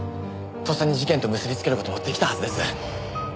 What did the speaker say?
とっさに事件と結びつける事も出来たはずです。